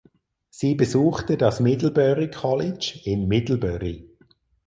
Sie besuchte das Middlebury College in Middlebury.